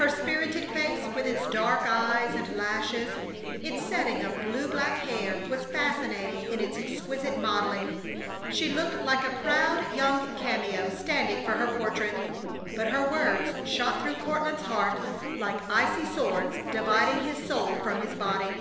Her spirited face with its dark eyes and lashes, its setting of blue black hair, was fascinating in its exquisite modeling. She looked like a proud young cameo standing for her portrait. But her words shot through Courtland's heart like icy swords dividing his soul from his body.